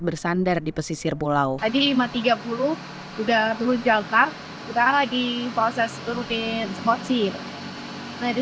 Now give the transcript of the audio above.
bersandar di pesisir pulau tadi lima tiga puluh udah turun jangka kita lagi proses turutin skocci nah di